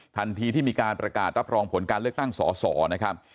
ทันทีที่มีการประกาศรับรองผลการเลือกตั้งสอสอนะครับ